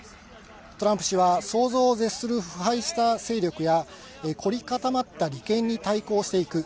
トランプ氏は想像を絶する腐敗した勢力や、凝り固まった利権に対抗していく。